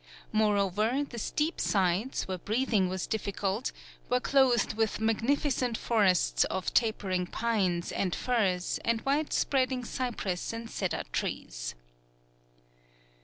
Moreover, the steep sides, where breathing was difficult, were clothed with magnificent forests of tapering pines, and firs, and wide spreading cypress and cedar trees.